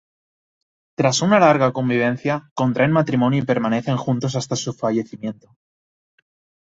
Tras una larga convivencia, contraen matrimonio y permanecen juntos hasta su fallecimiento.